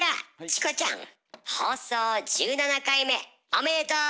おめでとう！